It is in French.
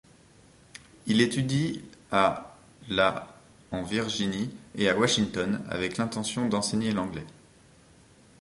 Il étudie à la en Virginie et à Washington avec l'intention d'enseigner l'anglais.